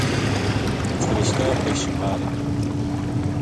فرشتہ بے شمار ہیں۔